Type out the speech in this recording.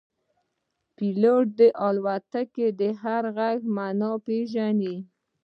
پیلوټ د الوتکې د هر غږ معنا پېژني.